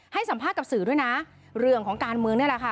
ให้สัมภาษณ์กับสื่อด้วยนะเรื่องของการเมืองนี่แหละค่ะ